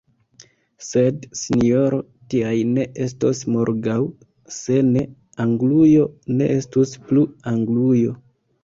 Sed, sinjoro, tiaj ni estos morgaŭ: se ne, Anglujo ne estus plu Anglujo!